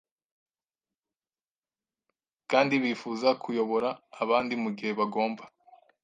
Kandi bifuza kuyobora abandi mugihe bagomba